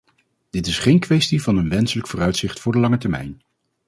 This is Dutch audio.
Dit is geen kwestie van een wenselijk vooruitzicht voor de lange termijn.